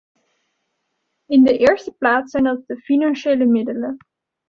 In de eerste plaats zijn dat de financiële middelen.